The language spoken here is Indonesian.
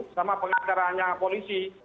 sama pengantarannya polisi